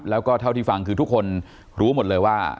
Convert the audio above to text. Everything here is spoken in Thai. แล้วก็เท่าที่ฟังคือทุกคนรู้หมดเลยว่า